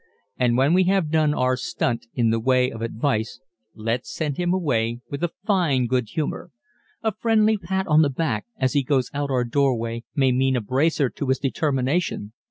And when we have done our stunt in the way of advice let's send him away with a fine good humor. A friendly pat on the back as he goes out our doorway may mean a bracer to his determination.